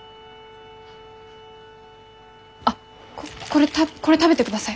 あっこれ食べてください